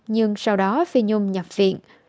nhưng sau đó phi nhung nhập viện